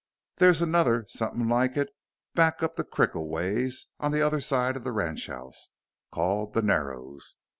There's another somethin' like it back up the crick a ways, on the other side of the ranchhouse, called the 'Narrows.'"